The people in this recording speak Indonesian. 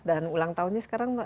dan ulang tahunnya sekarang apa